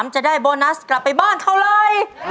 จะได้โบนัสกลับไปบ้านเถอะเลย